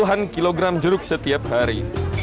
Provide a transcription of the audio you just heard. tiga puluh an kilogram jeruk setiap hari